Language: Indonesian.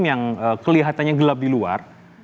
yang kelihatannya gelap di luar